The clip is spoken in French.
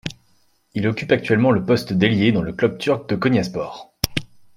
Il occupe actuellement le poste d'ailier dans le club turc de Konyaspor.